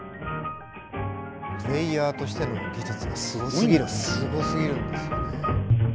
プレーヤーとしての技術がすごすぎるんです。